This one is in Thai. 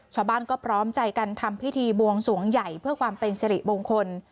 ชาวบ้านก็พร้อมใจกันทำพิธีบวงสวงใหญ่เพื่อความเป็นสิริมงคล